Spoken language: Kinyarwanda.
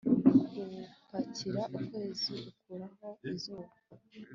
Gupakira ukwezi ukuraho izuba